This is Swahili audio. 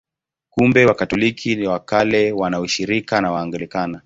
Kumbe Wakatoliki wa Kale wana ushirika na Waanglikana.